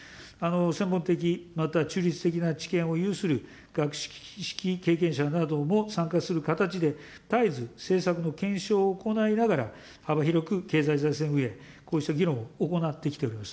専門的、また中立的な知見を有する学識経験者なども参加する形で、絶えず政策の検証を行いながら、幅広く経済財政運営、こうした議論を行ってきております。